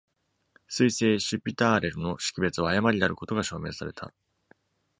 彗星「シュピターレル」の識別は誤りであることが証明された。